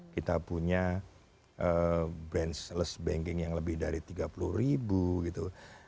kita punya branchless banking yang lebih dari tiga puluh ribu gitu